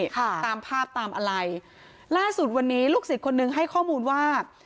ค่ะตามภาพตามอะไรล่าสุดวันนี้ลูกศิษย์คนนึงให้ข้อมูลว่า